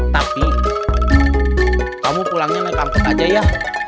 tapi kamu pulangnya pakai angkot aja ya